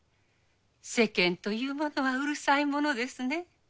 世間というものはうるさいものですね。